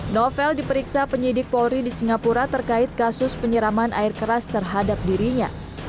novel diperiksa penyidik polri di singapura terkait kasus penyeraman air keras terhadap dirinya